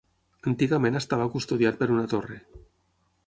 Antigament estava custodiat per una torre.